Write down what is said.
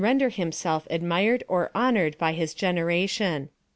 der himself admired or honored by his generation.